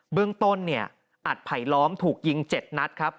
เรื่องต้นเนี่ยอัดไผลล้อมถูกยิง๗นัดครับ